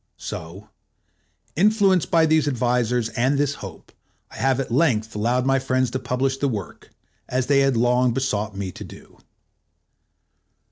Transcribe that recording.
So, influenced by these advisors and this hope, I have at length allowed my friends to publish the work, as they had long besought me to do.